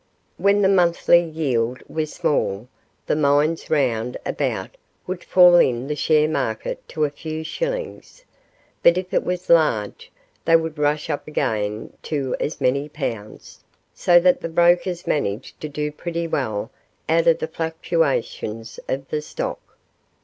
When the monthly yield was small, the mines round about would fall in the share market to a few shillings, but if it was large, they would rush up again to as many pounds, so that the brokers managed to do pretty well out of the fluctuations of the stock.